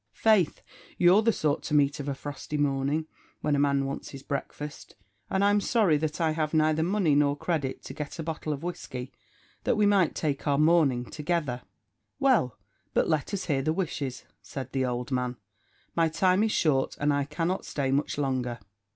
"Faith, you're the sort to meet of a frosty morning, when a man wants his breakfast; and I'm sorry that I have neither money nor credit to get a bottle of whiskey, that we might take our morning together." "Well, but let us hear the wishes," said the old man; "my time is short, and I cannot stay much longer."